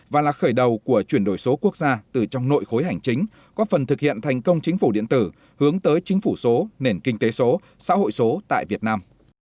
và là khởi đầu của chuyển đổi số quốc gia từ trong nội khối hành chính có phần thực hiện thành công chính phủ điện tử hướng tới chính phủ số nền kinh tế số xã hội số tại việt nam